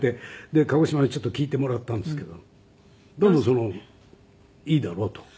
で鹿児島にちょっと聞いてもらったんですけどでもいいだろうと。